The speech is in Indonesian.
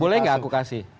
boleh enggak aku kasih